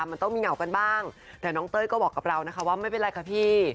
มันต้องมีเหงากันบ้างแต่น้องเต้ยก็บอกกับเรานะคะว่าไม่เป็นไรค่ะพี่